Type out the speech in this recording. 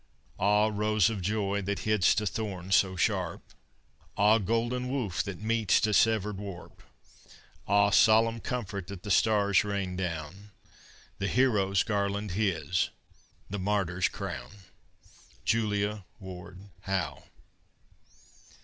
Ah! Rose of joy, that hid'st a thorn so sharp! Ah! Golden woof that meet'st a severed warp! Ah! Solemn comfort that the stars rain down! The hero's garland his, the martyr's crown. JULIA WARD HOWE.